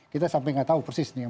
kita sampai gak tau persis nih